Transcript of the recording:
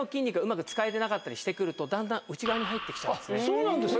そうなんですか？